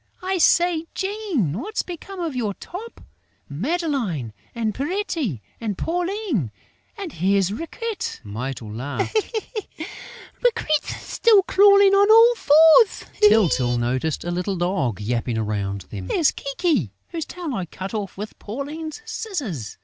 I say, Jean, what's become of your top?... Madeleine and Pierrette and Pauline!... And here's Riquette!..." Mytyl laughed: "Riquette's still crawling on all fours!" Tyltyl noticed a little dog yapping around them: "There's Kiki, whose tail I cut off with Pauline's scissors....